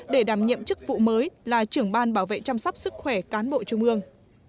để đảm nhiệm chức vụ mới là trưởng ban bảo vệ chăm sóc sức khỏe cán bộ trung ương